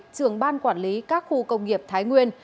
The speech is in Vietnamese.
trưởng ban quản lý các khu công nghiệp thái nguyên